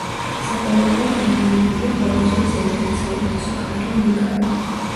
საყოველთაოდ აღიარებულია ყველა დროის ერთ-ერთ საუკეთესო ქართველ მეკარედ.